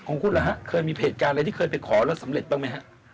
คงคุ้นเหรอฮะเคยมีเพจการอะไรที่เคยไปขอแล้วสำเร็จต้องไหมฮะ